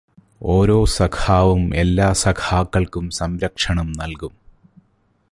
ഓരോ സഖാവും എല്ലാ സഖാക്കൾക്കും സംരക്ഷണം നൽകും.